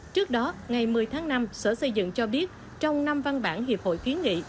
trước đó ngày một mươi tháng năm sở xây dựng cho biết trong năm văn bản hiệp hội kiến nghị